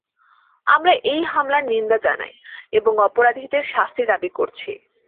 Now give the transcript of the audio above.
আমরা এই হামলার নিন্দা জানাই এবং অপরাধীদের শাস্তি দাবি করছি।